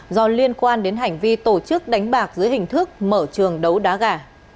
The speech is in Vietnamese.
do liên quan đến hành vi tổ chức đánh bạc dưới hình thức mở trường đấu đá gà